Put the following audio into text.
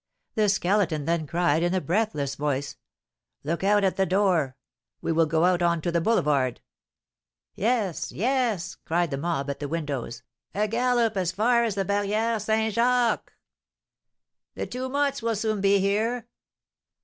The Skeleton then cried, in a breathless voice, "Look out at the door! We will go out on to the boulevard." "Yes, yes!" cried the mob at the windows; "a galop as far as the Barrière St. Jacques!" "The two 'mots' will soon be here."